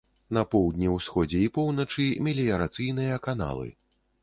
На поўдні, усходзе і поўначы меліярацыйныя каналы.